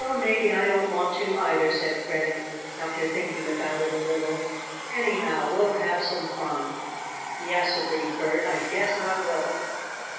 "Well, maybe I don't want to, either," said Freddie, after thinking about it a little. "Anyhow we'll have some fun!" "Yes," agreed Bert, "I guess I will."